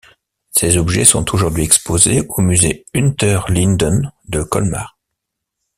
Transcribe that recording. Ces objets sont aujourd'hui exposés au musée Unterlinden de Colmar.